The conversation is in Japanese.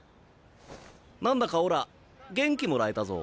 何だかオラ元気もらえたぞ。